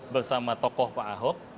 bersama tokoh pak ahop